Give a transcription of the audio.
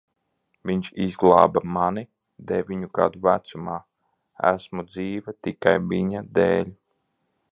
Viņš izglāba mani deviņu gadu vecumā. Esmu dzīva tikai viņa dēļ.